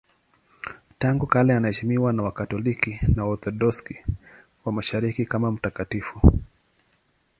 Tangu kale anaheshimiwa na Wakatoliki na Waorthodoksi wa Mashariki kama mtakatifu.